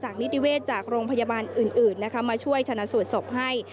นิติเวศจากโรงพยาบาลอื่นนะคะมาช่วยชนะสูตรศพให้